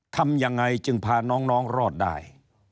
ทำยังไงจึงพาน้องรอดได้